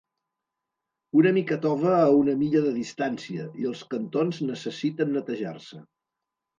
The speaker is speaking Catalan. Una mica tova a una milla de distància, i els cantons necessiten netejar-se.